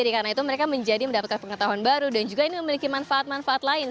karena itu mereka menjadi mendapatkan pengetahuan baru dan juga ini memiliki manfaat manfaat lain